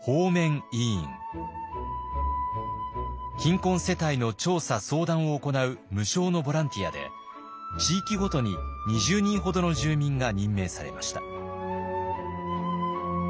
貧困世帯の調査相談を行う無償のボランティアで地域ごとに２０人ほどの住民が任命されました。